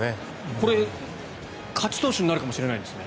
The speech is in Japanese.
これ、勝ち投手になるかもしれないですね。